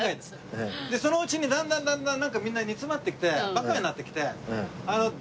そのうちにだんだんだんだんみんな煮詰まってきてバカになってきて。